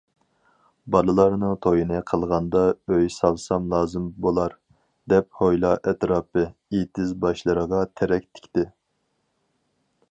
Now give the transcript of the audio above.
بالىلارنىڭ تويىنى قىلغاندا ئۆي سالسام لازىم بولار، دەپ ھويلا ئەتراپى، ئېتىز باشلىرىغا تېرەك تىكتى.